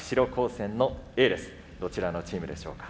どちらのチームでしょうか？